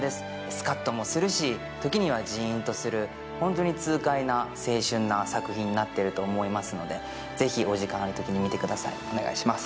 スカッともするし、時にはジーンとする、ホントに痛快な青春な作品になっていると思いますのでぜひお時間あるときに見てください、お願いします。